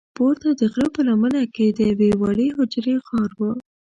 پورته د غره په لمنه کې د یوې وړې حجرې غار و.